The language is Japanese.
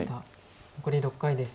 残り６回です。